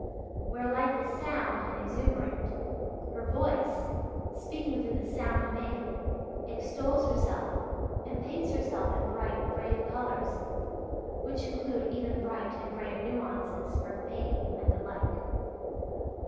Where life is sound and exuberant, her voice, speaking through the sound man, extols herself and paints herself in bright, brave colours, which include even bright and brave nuances for pain and the like.